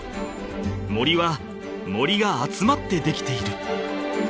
森は森が集まってできている］